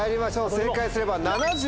正解すれば。